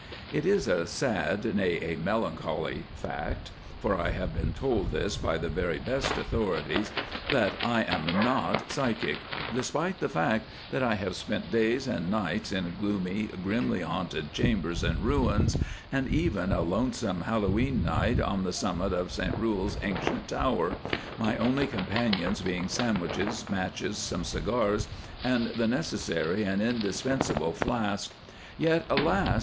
It is a sad, nay, a melancholy fact (for I have been told this by the very best authorities) that I am not Psychic, despite the fact that I have spent days and nights in gloomy, grimly haunted chambers and ruins, and even a lonesome Hallowe'en night on the summit of St Rule's ancient Tower (my only companions being sandwiches, matches, some cigars, and the necessary and indispensable flask), yet, alas!